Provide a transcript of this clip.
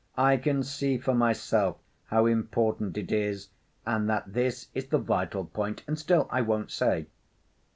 "I can see for myself how important it is, and that this is the vital point, and still I won't say."